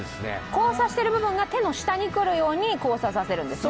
交差している部分が手の下に来るように交差させるんですね？